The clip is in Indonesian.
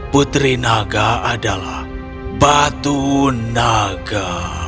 putri naga adalah batu naga